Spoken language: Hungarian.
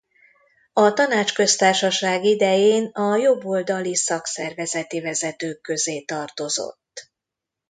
A Tanácsköztársaság idején a jobboldali szakszervezeti vezetők közé tartozott.